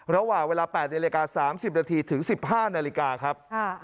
ระหว่างเวลา๘นาฬิกา๓๐นาทีถึง๑๕นาฬิกาครับ